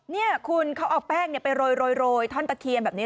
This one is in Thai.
นี่คุณเขาเอาแป้งไปโรยท่อนตะเคียนแบบนี้